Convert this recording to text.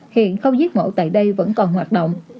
hiện không giết mổ tại đây vẫn còn hoạt động